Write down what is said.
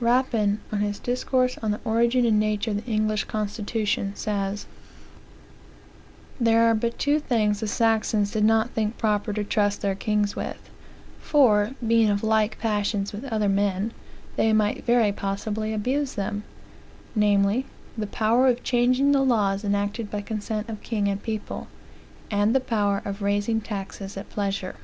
Rapin, in his discourse on the "Origin and Nature of the English Constitution," says: "There are but two things the Saxons did not think proper to trust their kings with; for being of like passions with other men, they might very possibly abuse them; namely, the power of changing the laws enacted by consent of king and people; and the power of raising taxes at pleasure.